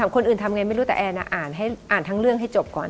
คนอื่นทำงานไม่รู้แต่อ่านทั้งเรื่องให้จบก่อน